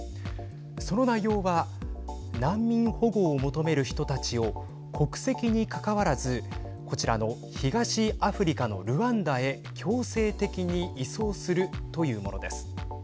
その内容は難民保護を求める人たちを国籍にかかわらずこちらの東アフリカのルワンダへ強制的に移送するというものです。